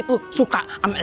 itu suka am